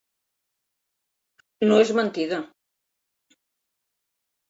No és mentida.